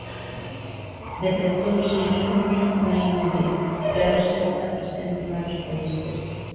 Detectouse en xuño na India, pero xa está presente en varios países.